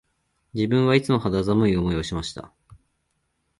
自分はいつも肌寒い思いをしました